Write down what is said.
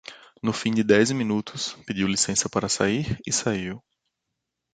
No fim de dez minutos, pediu licença para sair, e saiu.